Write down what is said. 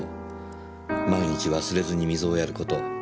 毎日忘れずに水をやる事。